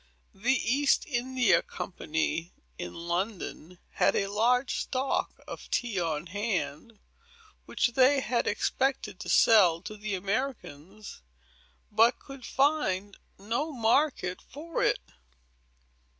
The East India Company, in London, had a large stock of tea on hand, which they had expected to sell to the Americans, but could find no market for it.